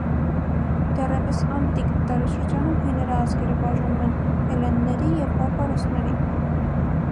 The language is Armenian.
Դեռևս անտիկ դարաշրջանում հույները ազգերը բաժանում են հելլենների և բարբարոսների։